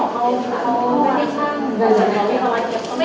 ก็จะรู้ว่ามัน